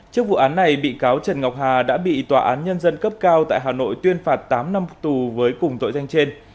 trước vụ án này bị cáo trần ngọc hà đã bị tòa án nhân dân cấp cao tại hà nội tuyên phạt tám năm tù với cùng tội danh trên